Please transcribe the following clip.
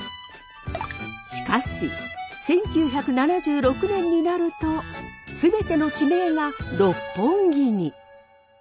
しかし１９７６年になると全ての地名が六本木に。